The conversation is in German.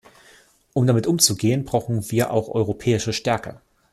Um damit umzugehen, brauchen wir auch europäische Stärke.